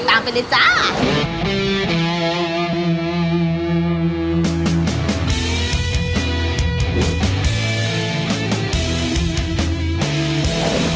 ตามไปเลยจ้า